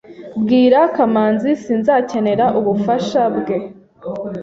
Bwira Kamanzi sinzakenera ubufasha bwe.